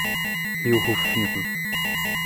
Rio Rufino